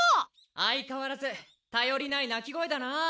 相変わらず頼りない鳴き声だなぁ。